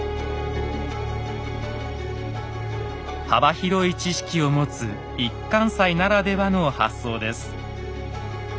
幅広い知識を持つ一貫斎ならではの発想です。